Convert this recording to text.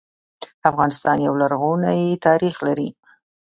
افغانستان يو لرغونی تاريخ لري